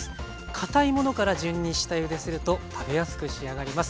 堅いものから順に下ゆですると食べやすく仕上がります。